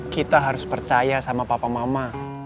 kita harus percaya sama papa mama